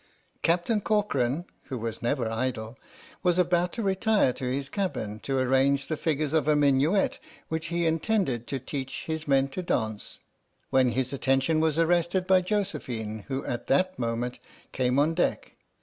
Captain Corcoran (who was never idle) was about to retire to his cabin to arrange the figures of a minuet which he intended to teach his men to dance, when his attention was arrested by Josephine, who at that moment came on deck.